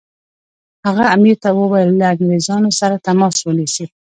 هغه امیر ته وویل له انګریزانو سره تماس ونیسي.